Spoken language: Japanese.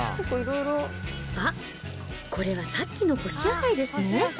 あっ、これはさっきの干し野菜ですね。